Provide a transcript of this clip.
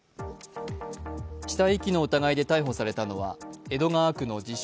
死体遺棄の疑いで逮捕されたのは江戸川区の自称